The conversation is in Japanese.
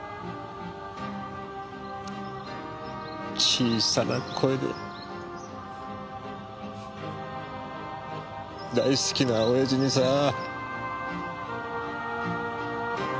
小さな声で大好きな親父にさあ。